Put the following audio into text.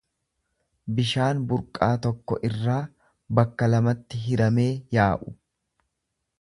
bishaan burqaa tokko irraa bakka lamatti hiramee yaaú.